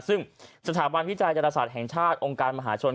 ซึ่งสถาบันวิจัยดาราศาสตร์แห่งชาติองค์การมหาชน